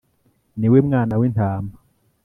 Ni we Mwana w'Intama